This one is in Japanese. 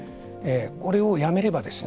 これをやめればですね